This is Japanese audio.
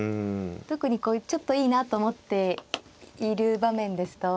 特にこうちょっといいなと思っている場面ですと。